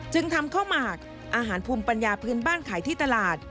จึงทำข้าวหมากอาหารภูมิปัญญาพื้นบ้านขายที่ตลาด